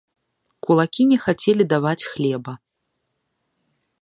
Кулакі не хацелі даваць хлеба.